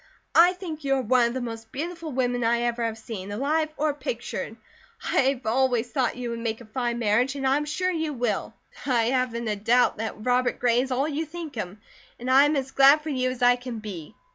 I think you are one of the most beautiful women I ever have seen, alive or pictured. I have always thought you would make a fine marriage, and I am sure you will. I haven't a doubt that Robert Gray is all you think him, and I am as glad for you as I can be.